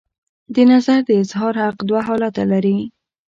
د نظر د اظهار حق دوه حالته لري.